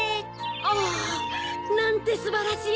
おぉ！なんてすばらしい！